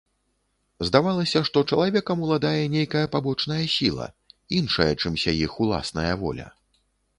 Здавалася, што чалавекам уладае нейкая пабочная сіла, іншая, чымся іх уласная воля.